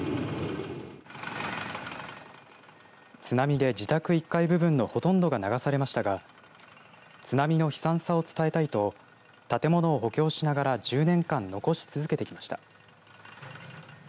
津波で自宅１階部分のほとんどが流されましたが津波の悲惨さを伝えたいと建物を補強しながら１０年間、残し続けてきました。